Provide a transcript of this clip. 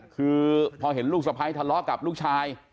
คือพอเห็นลูกสะพ้ายทะเลาะกับลูกชาย